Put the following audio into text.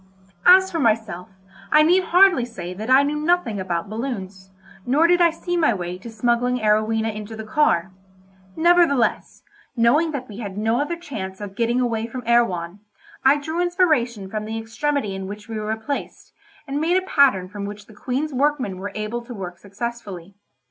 As for myself, I need hardly say that I knew nothing about balloons; nor did I see my way to smuggling Arowhena into the car; nevertheless, knowing that we had no other chance of getting away from Erewhon, I drew inspiration from the extremity in which we were placed, and made a pattern from which the Queen's workmen were able to work successfully.